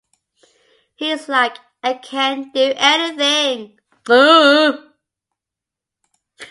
He's like, I can't do anything.